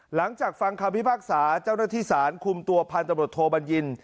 หลังจากฟังคำพิพากษาเจ้าหน้าที่ศาลคุมตัวพันธบทโทบัญญิน